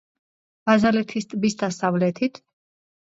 ბაზალეთის ტბის დასავლეთით.